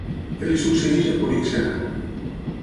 Què li succeeix a Políxena?